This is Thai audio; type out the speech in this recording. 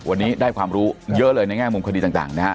วันนี้ได้ความรู้เยอะเลยในแง่มุมความความดีต่าง